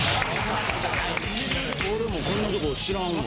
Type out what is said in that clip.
俺もうこんなとこ知らんわ。